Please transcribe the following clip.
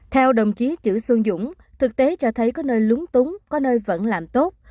theo đồng chí chữ xuân dũng thực tế cho thấy có nơi lúng túng có nơi vẫn làm tốt